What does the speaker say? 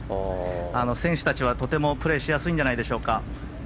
選手たちはとてもプレーしやすいんじゃないでしょうか。